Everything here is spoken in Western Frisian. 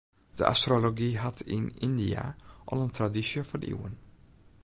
De astrology hat yn Yndia al in tradysje fan iuwen.